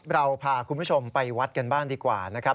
เราพาคุณผู้ชมไปวัดกันบ้างดีกว่านะครับ